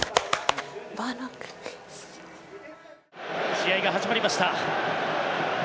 試合が始まりました。